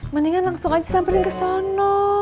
mendingan langsung aja sampe kesana